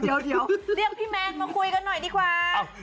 เดี๋ยวเรียกพี่แมนมาคุยกันหน่อยดีกว่า